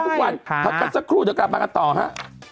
ทุกวันพักกันสักครู่เดี๋ยวกลับมากันต่อฮะ